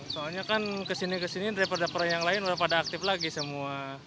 soalnya kan kesini kesini daripada orang yang lain sudah pada aktif lagi semua